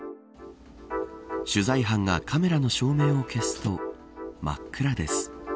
取材班がカメラの照明を消すと真っ暗です。